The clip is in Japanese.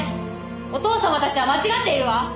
お父様たちは間違っているわ！